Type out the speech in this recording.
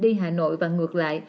đi hà nội và ngược lại